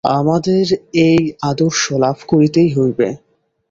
আমাদের এই আদর্শ লাভ করিতেই হইবে।